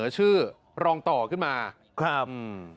ชื่อรองต่อขึ้นมาครับ